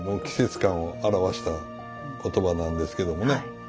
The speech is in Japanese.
季節感を表した言葉なんですけどもね